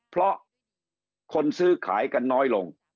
เพราะคนซื้อขายกันน้อยลง